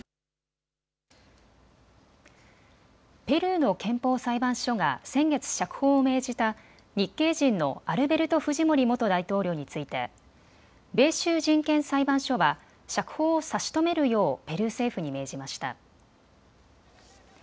ペルーの憲法裁判所が先月釈放を命じた日系人のアルベルト・フジモリ元大統領について米州人権裁判所は釈放を差し止めるようペルー政府に命じました。